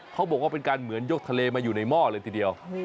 เขาบอกว่าเป็นการเหมือนยกทะเลมาอยู่ในหม้อเลยทีเดียว